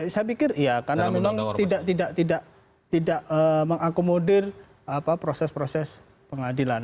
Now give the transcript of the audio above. saya pikir iya karena memang tidak mengakomodir proses proses pengadilan